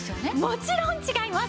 もちろん違います！